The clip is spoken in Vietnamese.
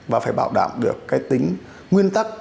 và phải bảo đảm được tính nguyên tắc